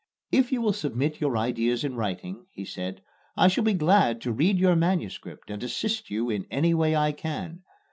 "If you will submit your ideas in writing," he said, "I shall be glad to read your manuscript and assist you in any way I can.